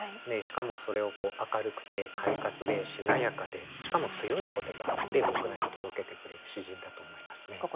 しかもそれを明るくて快活でしなやかでしかも強い言葉で僕らに届けてくれる詩人だと思いますね。